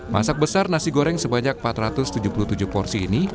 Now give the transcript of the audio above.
masak besar nasi goreng sebanyak empat ratus tujuh puluh tujuh porsi ini